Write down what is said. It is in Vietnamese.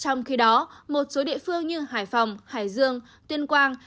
trong khi đó một số địa phương như hải phòng hải dương tuyên quang